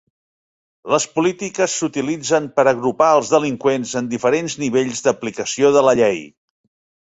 Les polítiques s'utilitzen per agrupar els delinqüents en diferents nivells d'aplicació de la llei.